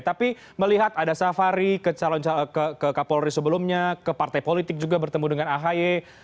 tapi melihat ada safari ke kapolri sebelumnya ke partai politik juga bertemu dengan ahy